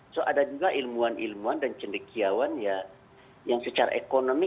so ada juga ilmuwan ilmuwan dan cendekiawan ya yang secara ekonomi